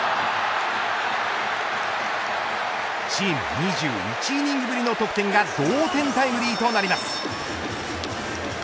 チーム２１イニングぶりの得点が同点タイムリーとなります。